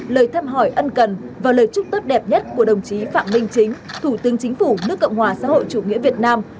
lời thăm hỏi ân cần và lời chúc tốt đẹp nhất của đồng chí phạm minh chính thủ tướng chính phủ nước cộng hòa xã hội chủ nghĩa việt nam